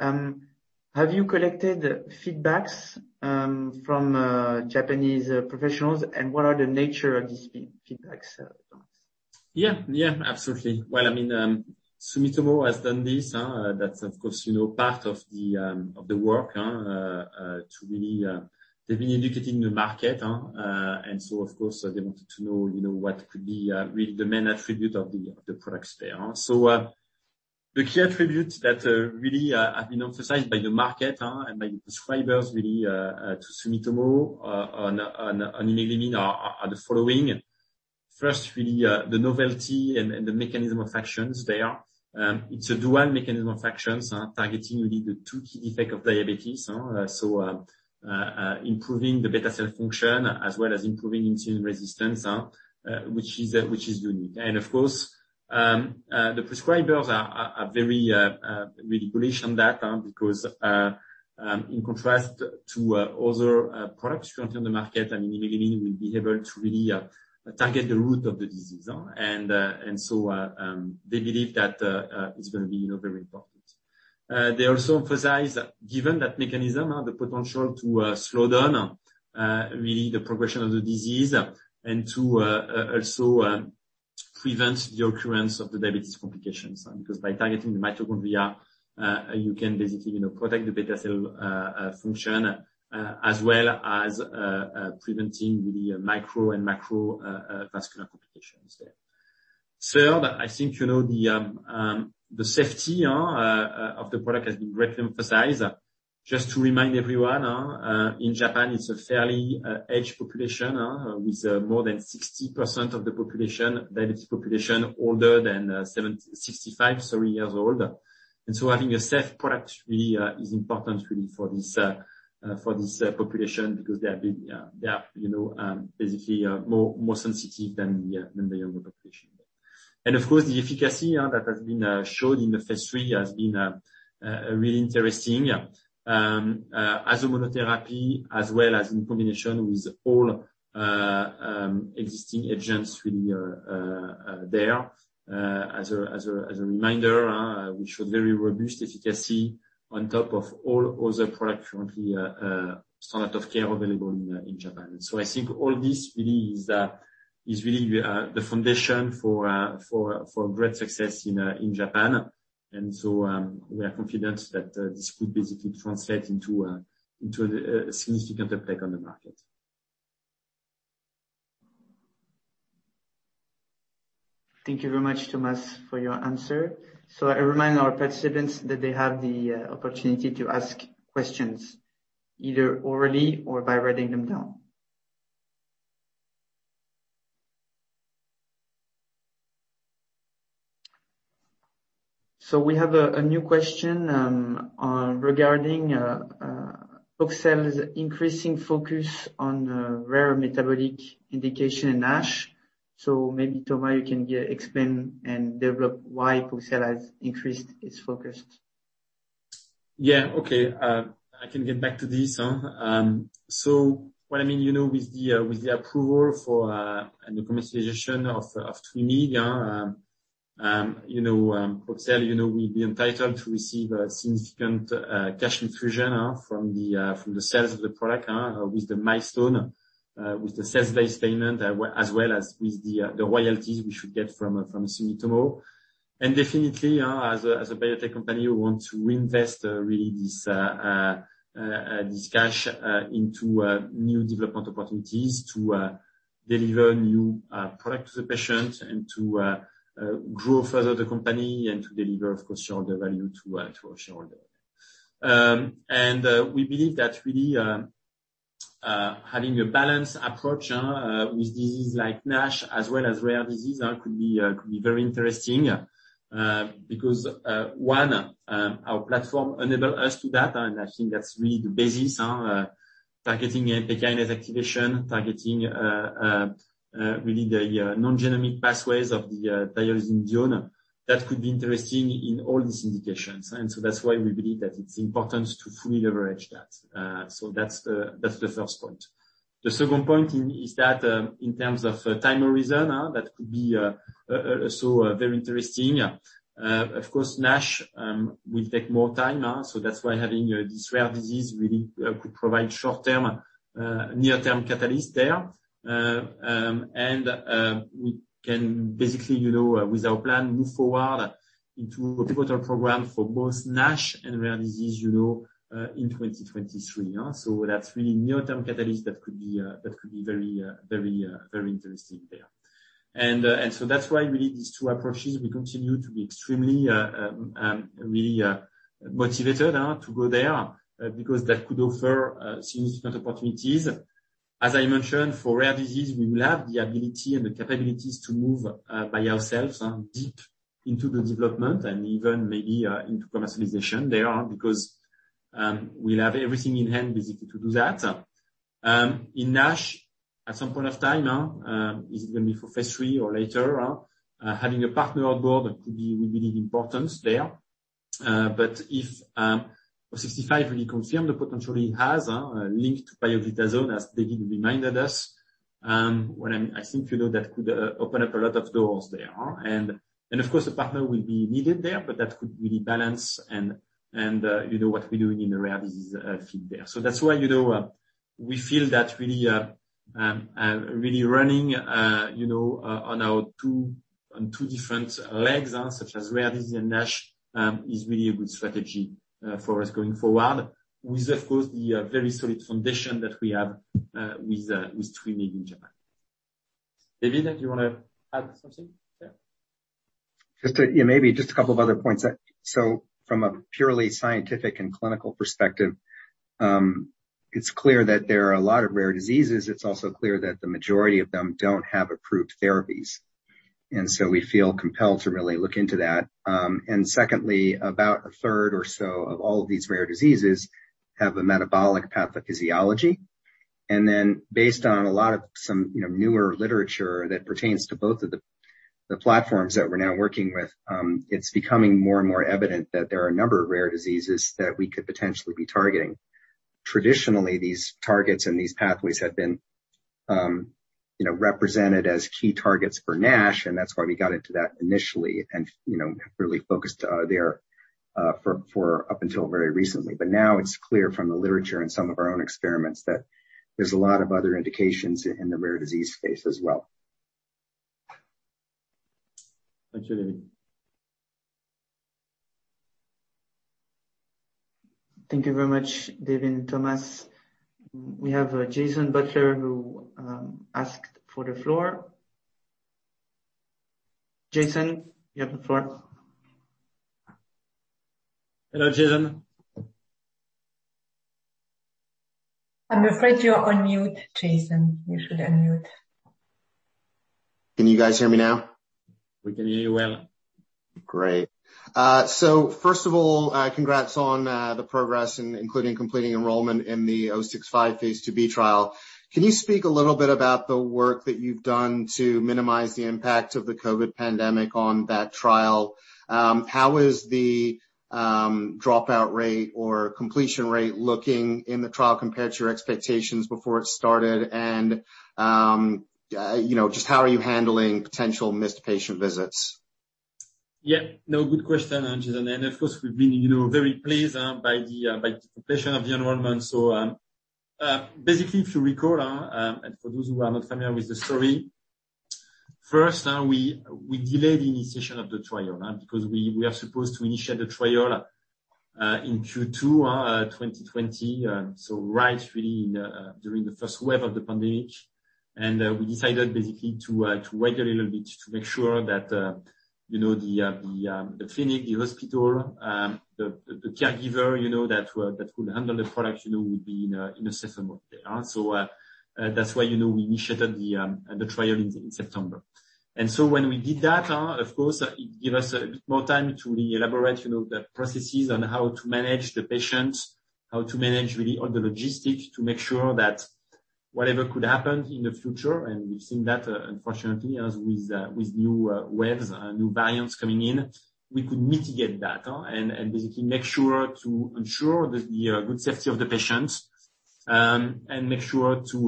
Speaker 1: Have you collected feedbacks from Japanese professionals, and what are the nature of these feedbacks, Thomas?
Speaker 2: Yeah. Absolutely. Sumitomo has done this. That's of course, part of the work. They've been educating the market. Of course, they wanted to know what could be really the main attribute of the products there. The key attributes that really have been emphasized by the market and by the prescribers really to Sumitomo on imeglimin are the following. First, really, the novelty and the mechanism of actions there. It's a dual mechanism of actions targeting really the two key effect of diabetes. Improving the beta cell function as well as improving insulin resistance, which is unique. Of course, the prescribers are very bullish on that because in contrast to other products currently on the market, imeglimin will be able to really target the root of the disease. They believe that it's going to be very important. They also emphasize, given that mechanism, the potential to slow down really the progression of the disease and to also prevent the occurrence of the diabetes complications. By targeting the mitochondria, you can basically protect the beta cell function as well as preventing really micro and macrovascular complications there. Third, I think the safety of the product has been greatly emphasized. Just to remind everyone, in Japan, it's a fairly aged population with more than 60% of the population, diabetes population, older than 65 years or older. Having a safe product really is important really for this population because they are basically more sensitive than the younger population. Of course, the efficacy that has been shown in the phase III has been really interesting as a monotherapy as well as in combination with all existing agents really there. As a reminder, we showed very robust efficacy on top of all other products currently standard of care available in Japan. I think all this really is the foundation for great success in Japan. We are confident that this could basically translate into a significant impact on the market.
Speaker 1: Thank you very much, Thomas, for your answer. I remind our participants that they have the opportunity to ask questions either orally or by writing them down. We have a new question regarding Poxel's increasing focus on rare metabolic indication in NASH. Maybe, Thomas, you can explain and develop why Poxel has increased its focus.
Speaker 2: Yeah. Okay. I can get back to this. What I mean, with the approval for and the commercialization of TWYMEEG, Poxel will be entitled to receive a significant cash infusion from the sales of the product with the milestone, with the sales-based payment, as well as with the royalties we should get from Sumitomo. Definitely, as a biotech company, we want to invest really this cash into new development opportunities to deliver new product to the patient and to grow further the company and to deliver, of course, shareholder value to our shareholder. We believe that really, having a balanced approach with diseases like NASH as well as rare disease could be very interesting, because one, our platform enable us to that, and I think that's really the basis. Targeting the kinase activation, targeting really the non-genomic pathways of the TZDs. That could be interesting in all these indications. That's why we believe that it's important to fully leverage that. That's the first point. The second point is that, in terms of time horizon, that could be also very interesting. Of course, NASH will take more time. That's why having these rare disease really could provide short-term, near-term catalyst there. We can basically, with our plan, move forward into a pivotal program for both NASH and rare disease in 2023. That's really near-term catalyst that could be very interesting there. That's why really these two approaches, we continue to be extremely, really motivated to go there, because that could offer significant opportunities. As I mentioned, for rare disease, we will have the ability and the capabilities to move by ourselves deep into the development and even maybe into commercialization there, because we will have everything in hand basically to do that. In NASH, at some point of time, is it going to be for phase III or later, having a partner on board could be really important there. If PXL065 really confirm the potential it has linked to TZDs, as David reminded us, I think that could open up a lot of doors there. Of course, a partner will be needed there, but that could really balance what we are doing in the rare disease field there. That's why we feel that really running on two different legs, such as rare disease and NASH, is really a good strategy for us going forward with, of course, the very solid foundation that we have with TWYMEEG. David, do you want to add something there?
Speaker 4: Maybe just a couple of other points. From a purely scientific and clinical perspective, it's clear that there are a lot of rare diseases. We feel compelled to really look into that. Secondly, about a third or so of all of these rare diseases have a metabolic pathophysiology. Based on a lot of some newer literature that pertains to both of the platforms that we're now working with, it's becoming more and more evident that there are a number of rare diseases that we could potentially be targeting. Traditionally, these targets and these pathways have been represented as key targets for NASH, and that's why we got into that initially and really focused there for up until very recently. Now it's clear from the literature and some of our own experiments that there's a lot of other indications in the rare disease space as well.
Speaker 2: Thank you, David.
Speaker 1: Thank you very much, David and Thomas. We have Jason Butler who asked for the floor. Jason, you have the floor.
Speaker 2: Hello, Jason.
Speaker 3: I'm afraid you're on mute, Jason. You should unmute.
Speaker 6: Can you guys hear me now?
Speaker 2: We can hear you well.
Speaker 6: Great. First of all, congrats on the progress, including completing enrollment in the PXL065 phase IIb trial. Can you speak a little bit about the work that you've done to minimize the impact of the COVID pandemic on that trial? How is the dropout rate or completion rate looking in the trial compared to your expectations before it started? Just how are you handling potential missed patient visits?
Speaker 2: Yeah. No, good question, Jason. Of course, we've been very pleased by the completion of the enrollment. Basically, if you recall, and for those who are not familiar with the story, first, we delayed the initiation of the trial, because we were supposed to initiate the trial in Q2 2020, so right really during the first wave of the pandemic. We decided basically to wait a little bit to make sure that the clinic, the hospital, the caregiver that could handle the product would be in a safer mode there. That's why we initiated the trial in September. When we did that, of course, it give us a bit more time to really elaborate the processes on how to manage the patients, how to manage really all the logistics to make sure that whatever could happen in the future, and we've seen that, unfortunately, as with new waves, new variants coming in, we could mitigate that and basically make sure to ensure the good safety of the patients, and make sure to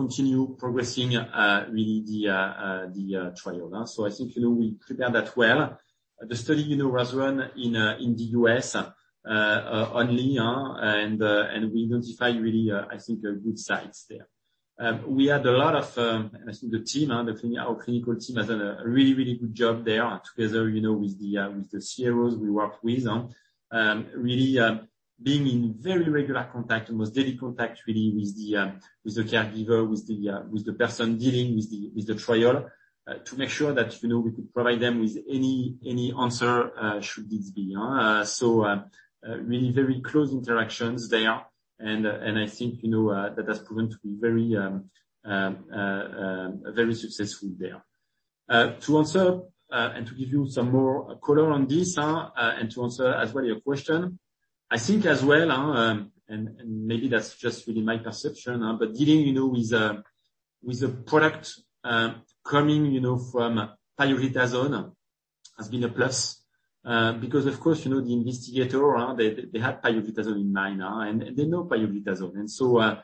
Speaker 2: continue progressing really the trial. I think we prepared that well. The study was run in the U.S. only, and we identified really, I think, good sites there. I think our clinical team has done a really, really good job there together with the CROs we worked with, really being in very regular contact, almost daily contact, really, with the caregiver, with the person dealing with the trial to make sure that we could provide them with any answer should this be. Really very close interactions there and I think that has proven to be very successful there. To answer and to give you some more color on this and to answer as well your question, I think as well, and maybe that's just really my perception, but dealing with the product coming from pioglitazone has been a plus because, of course, the investigator they have pioglitazone in mind now, and they know pioglitazone.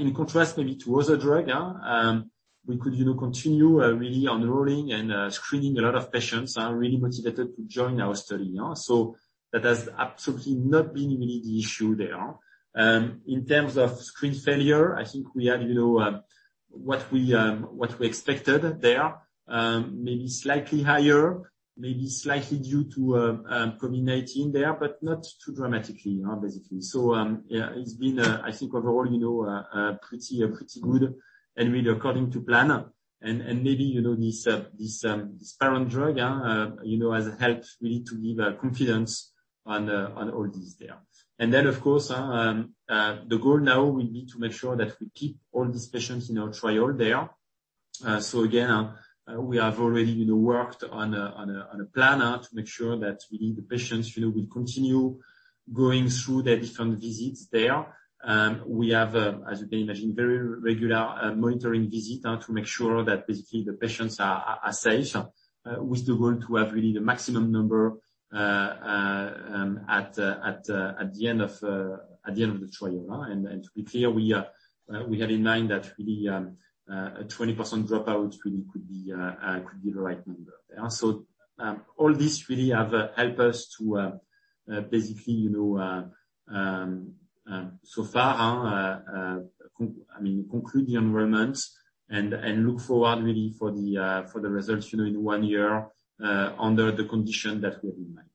Speaker 2: In contrast maybe to other drug, we could continue really enrolling and screening a lot of patients are really motivated to join our study now. That has absolutely not been really the issue there. In terms of screen failure, I think we had what we expected there. Maybe slightly higher, maybe slightly due to COVID-19 there, but not too dramatically, basically. Yeah, it's been, I think overall pretty good and really according to plan and maybe this parent drug has helped really to give confidence on all this there. Then, of course, the goal now will be to make sure that we keep all these patients in our trial there. Again, we have already worked on a plan to make sure that really the patients will continue going through the different visits there. We have, as you can imagine, very regular monitoring visit to make sure that basically the patients are safe, with the goal to have really the maximum number at the end of the trial. To be clear, we had in mind that really a 20% dropout really could be the right number there. All this really have helped us to basically so far conclude the enrollments and look forward really for the results in one year under the condition that we have in mind.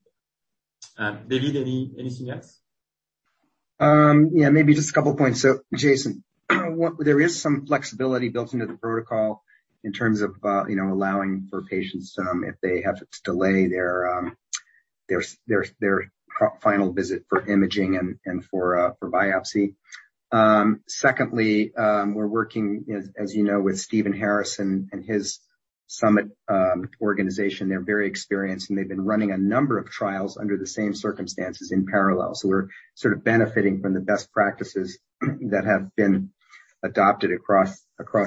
Speaker 2: David, anything else?
Speaker 4: Yeah, maybe just a couple points. Jason, there is some flexibility built into the protocol in terms of allowing for patients if they have to delay their final visit for imaging and for biopsy. Secondly, we're working, as you know, with Stephen Harrison and his Summit organization. They're very experienced, and they've been running a number of trials under the same circumstances in parallel. We're sort of benefiting from the best practices that have been adopted across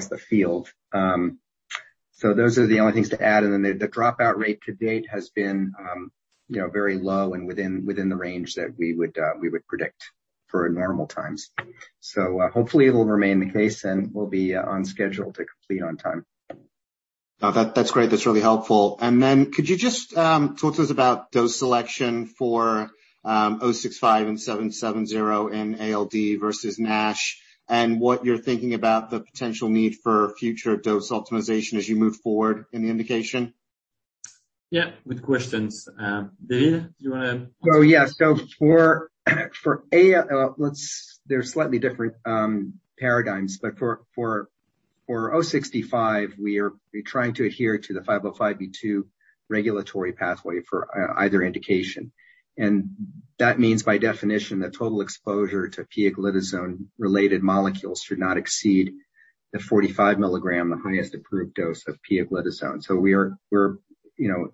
Speaker 4: the field. Those are the only things to add. The dropout rate to date has been very low and within the range that we would predict for normal times. Hopefully it will remain the case, and we'll be on schedule to complete on time.
Speaker 6: No, that's great. That's really helpful. Could you just talk to us about dose selection for PXL065 and PXL770 in ALD versus NASH and what you're thinking about the potential need for future dose optimization as you move forward in the indication?
Speaker 2: Yeah. Good questions. David, do you want?
Speaker 4: Yeah. They're slightly different paradigms. For PXL065, we're trying to adhere to the 505(b)(2) regulatory pathway for either indication. That means, by definition, the total exposure to pioglitazone-related molecules should not exceed the 45 mg, the highest approved dose of pioglitazone. We are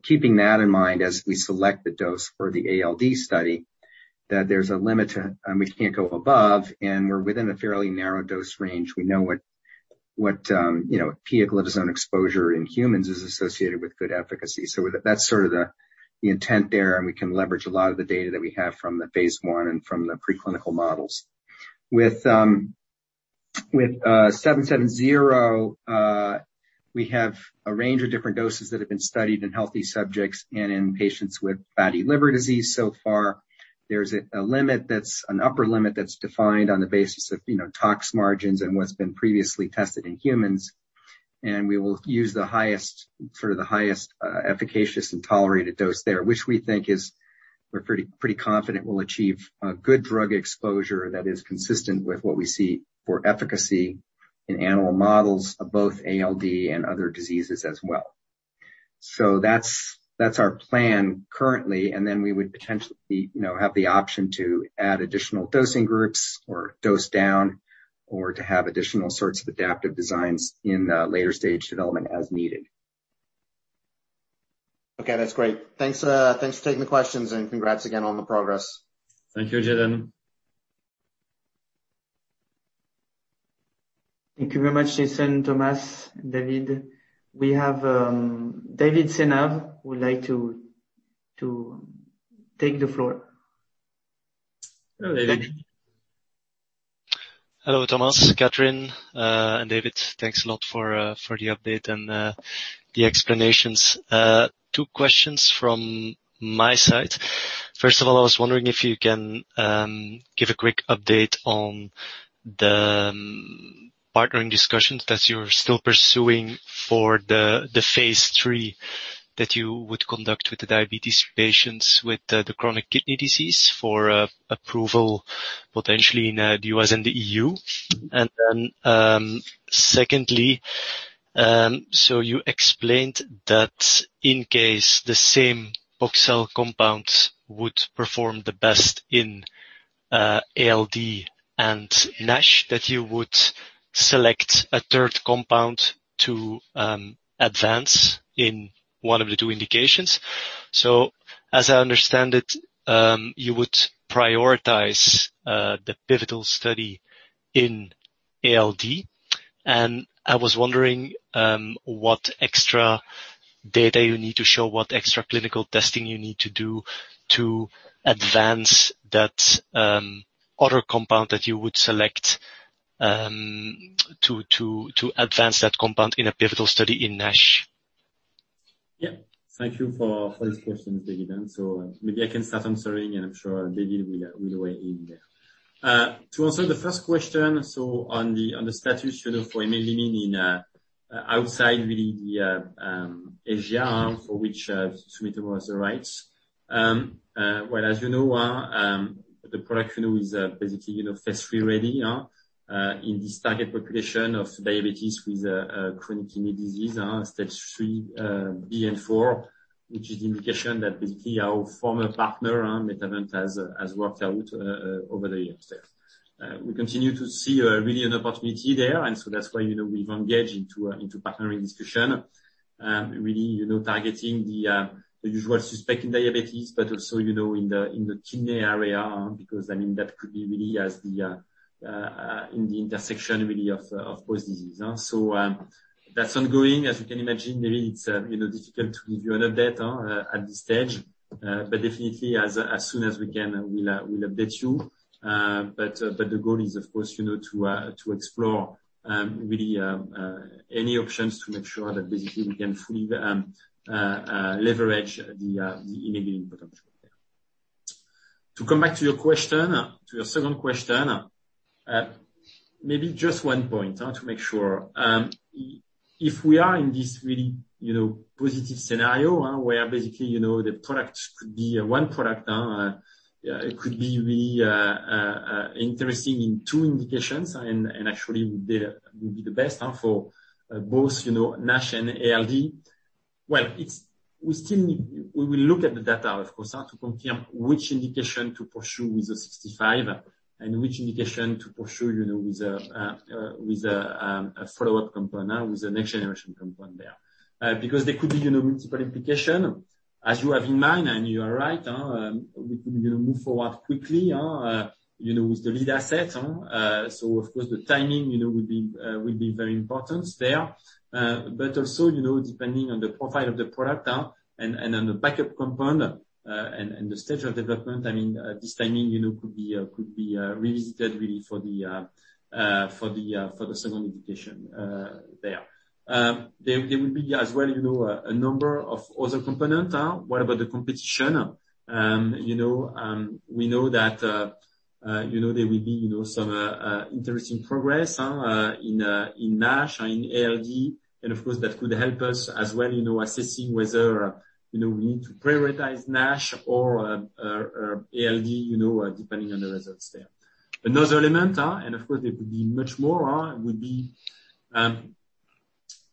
Speaker 4: keeping that in mind as we select the dose for the ALD study that there's a limit we can't go above, and we're within a fairly narrow dose range. We know what pioglitazone exposure in humans is associated with good efficacy. That is sort of the intent there, and we can leverage a lot of the data that we have from the phase I and from the preclinical models. With PXL770, we have a range of different doses that have been studied in healthy subjects and in patients with fatty liver disease so far. There's a limit that's an upper limit that's defined on the basis of tox margins and what's been previously tested in humans. We will use the highest efficacious and tolerated dose there, which we think we're pretty confident will achieve a good drug exposure that is consistent with what we see for efficacy in animal models of both ALD and other diseases as well. That's our plan currently, then we would potentially have the option to add additional dosing groups or dose down or to have additional sorts of adaptive designs in later-stage development as needed.
Speaker 6: Okay, that's great. Thanks for taking the questions. Congrats again on the progress.
Speaker 2: Thank you, Jason.
Speaker 1: Thank you very much, Jason, Thomas, David. We have David pio who would like to take the floor.
Speaker 2: Hello, David.
Speaker 7: Hello, Thomas, Catherine, and David. Thanks a lot for the update and the explanations. Two questions from my side. I was wondering if you can give a quick update on the partnering discussions that you're still pursuing for the phase III that you would conduct with the diabetes patients with the chronic kidney disease for approval, potentially in the U.S. and the E.U. Secondly, you explained that in case the same Poxel compound would perform the best in ALD and NASH, that you would select a third compound to advance in one of the two indications. As I understand it, you would prioritize the pivotal study in ALD. I was wondering what extra data you need to show, what extra clinical testing you need to do to advance that other compound that you would select to advance that compound in a pivotal study in NASH?
Speaker 2: Thank you for those questions, David. Maybe I can start answering, and I am sure David will weigh in there. To answer the first question, on the status for imeglimin outside really the Asia for which Sumitomo has the rights. As you know, the product is basically phase III-ready in this target population of diabetes with chronic kidney disease, stage 3B and 4, which is the indication that basically our former partner, Metavant, has worked out over the years there. We continue to see really an opportunity there, that is why we have engaged into partnering discussion. Targeting the usual suspect in diabetes, but also in the kidney area, because that could be really as in the intersection, really of both diseases. That is ongoing. As you can imagine, maybe it is difficult to give you an update at this stage. Definitely as soon as we can, we'll update you. The goal is, of course, to explore really any options to make sure that basically we can fully leverage the imeglimin potential there. To come back to your second question, maybe just one point to make sure. If we are in this really positive scenario, where basically the product could be one product, it could be really interesting in two indications and actually would be the best for both NASH and ALD. We will look at the data, of course, to confirm which indication to pursue with the 65 and which indication to pursue with a follow-up component, with a next generation component there. There could be multiple indication, as you have in mind, and you are right, we could move forward quickly, with the lead asset. Of course, the timing will be very important there. Also, depending on the profile of the product and on the backup component, and the stage of development, this timing could be revisited really for the second indication there. There will be as well a number of other components. What about the competition? We know that there will be some interesting progress in NASH and in ALD, and of course, that could help us as well assessing whether we need to prioritize NASH or ALD, depending on the results there. Another element, and of course there could be much more, would be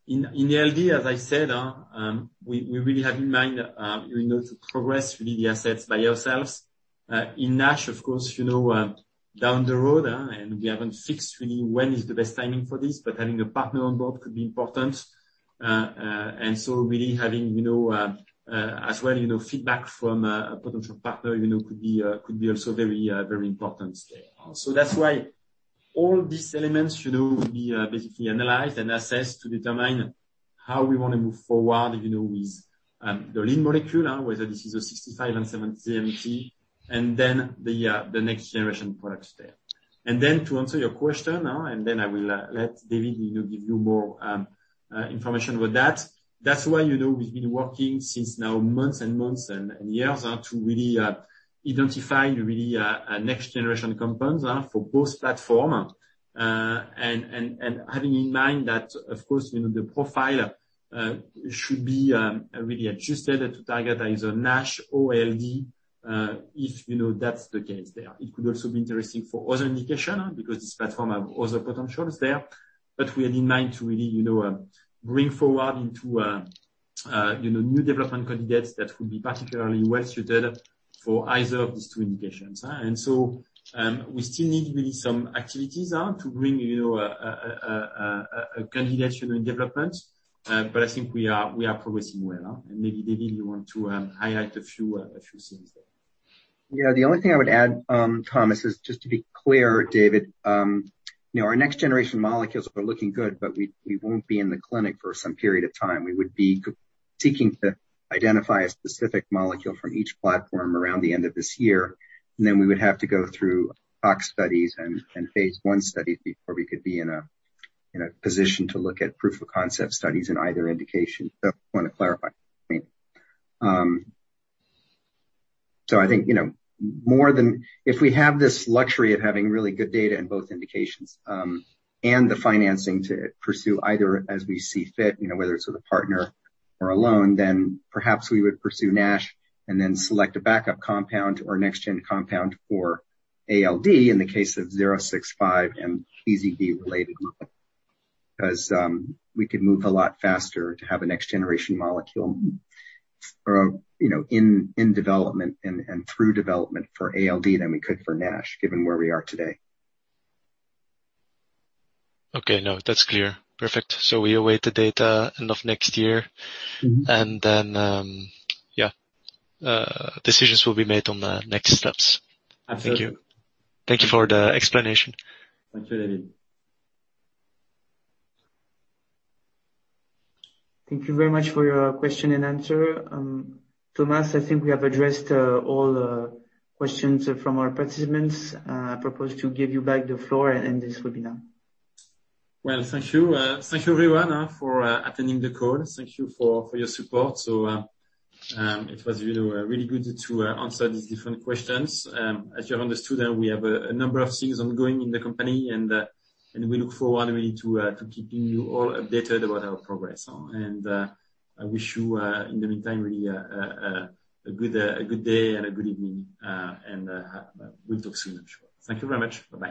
Speaker 2: in ALD, as I said, we really have in mind to progress really the assets by ourselves. In NASH, of course, down the road, and we haven't fixed really when is the best timing for this, but having a partner on board could be important. Really having as well feedback from a potential partner could be also very important there. That's why all these elements will be basically analyzed and assessed to determine how we want to move forward with the lead molecule, whether this is PXL065 and PXL770, the next generation products there. To answer your question, I will let David give you more information about that. That's why we've been working since now months and years to really identify really a next generation compounds for both platform. Having in mind that, of course, the profile should be really adjusted to target either NASH or ALD, if that's the case there. It could also be interesting for other indication because this platform have other potentials there. We have in mind to really bring forward into new development candidates that would be particularly well suited for either of these two indications. We still need really some activities to bring a candidate in development. I think we are progressing well. Maybe David, you want to highlight a few things there.
Speaker 4: Yeah. The only thing I would add, Thomas, is just to be clear, David, our next generation molecules are looking good, but we won't be in the clinic for some period of time. We would be seeking to identify a specific molecule from each platform around the end of this year. Then we would have to go through tox studies and phase I studies before we could be in a position to look at proof of concept studies in either indication. I want to clarify. I think if we have this luxury of having really good data in both indications, and the financing to pursue either as we see fit, whether it's with a partner or alone, then perhaps we would pursue NASH and then select a backup compound or next-gen compound for ALD in the case of PXL065 and dTZD related molecule, because we could move a lot faster to have a next generation molecule in development and through development for ALD than we could for NASH, given where we are today.
Speaker 7: Okay. No, that's clear. Perfect. We await the data end of next year. Yeah. Decisions will be made on the next steps.
Speaker 2: Absolutely.
Speaker 7: Thank you. Thank you for the explanation.
Speaker 2: Thank you, David.
Speaker 1: Thank you very much for your question and answer. Thomas, I think we have addressed all the questions from our participants. I propose to give you back the floor and end this webinar.
Speaker 2: Well, thank you. Thank you everyone for attending the call. Thank you for your support. It was really good to answer these different questions. As you have understood, we have a number of things ongoing in the company, and we look forward really to keeping you all updated about our progress. I wish you, in the meantime, really a good day and a good evening. We'll talk soon, I'm sure. Thank you very much. Bye-bye.